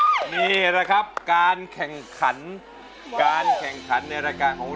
ถ้าสิเท่น้องพิมลัดด้วยจริงของพี่ช่าง